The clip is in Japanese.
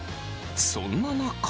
そんな中。